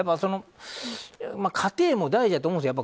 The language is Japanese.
過程も大事だと思うんです。